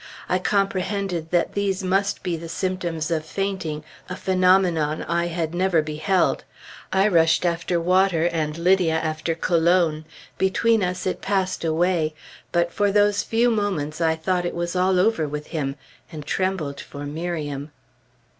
I comprehended that these must be symptoms of fainting, a phenomenon I had never beheld. I rushed after water, and Lydia after cologne. Between us, it passed away; but for those few moments I thought it was all over with him, and trembled for Miriam.